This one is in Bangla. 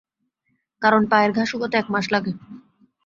কারণ পায়ের ঘা শুকাতে এক মাস লাগে।